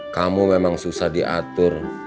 kamu memang susah diatur